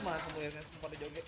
mana semua ada joget semua disitu kan